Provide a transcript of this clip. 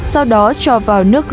sau đó cho vào nước gừng